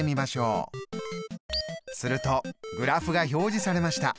するとグラフが表示されました。